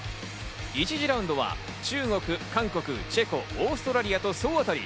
１次ラウンドは中国、韓国、チェコ、オーストラリアと総当り。